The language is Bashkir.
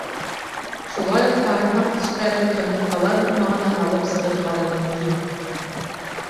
Шулай уҡ һарымһаҡ тештәрен ҡырмыҫҡалар һуҡмағына һалып сығырға ла мөмкин.